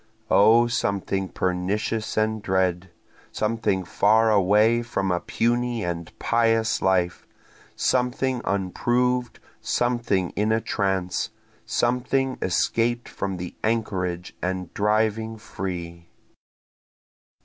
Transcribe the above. (O something pernicious and dread! Something far away from a puny and pious life! Something unproved! something in a trance! Something escaped from the anchorage and driving free.)